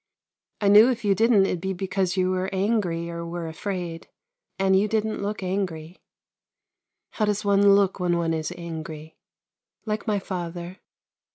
" I knew if you didn't it'd be because you were angry or were afraid, and you didn't look angry." " How does one look when one is angry? "" Like my father."